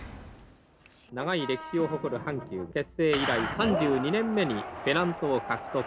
長い歴史を誇る阪急、結成以来３２年目にペナントを獲得。